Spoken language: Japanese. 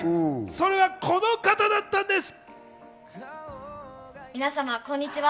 それがこの方だったんです。